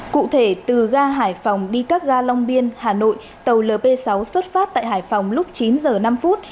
cụ thể từ ga hải phòng đi các ga long biên hà nội tàu lp sáu xuất phát tại hải phòng lúc chín giờ năm phút